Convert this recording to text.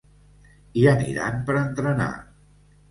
Hi aniran per entrenar.